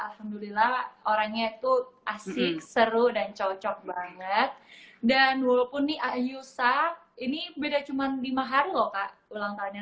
cukup asik seru dan cocok banget dan walaupun nih ayusa ini beda cuman lima hari loh kak ulang tahunnya